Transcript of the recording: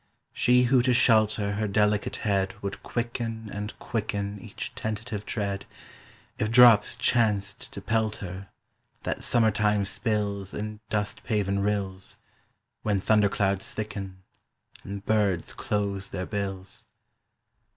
She who to shelter Her delicate head Would quicken and quicken Each tentative tread If drops chanced to pelt her That summertime spills In dust paven rills When thunder clouds thicken And birds close their bills.